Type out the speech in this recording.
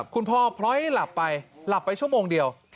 คุณพ่อพล้อยหลับไปหลับไปชั่วโมงเดียว